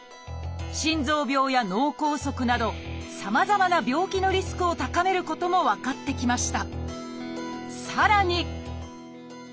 心臓病や脳梗塞などさまざまな病気のリスクを高めることも分かってきました。